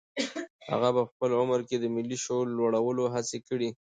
هغه په خپل عمر کې د ملي شعور لوړولو هڅې کړي.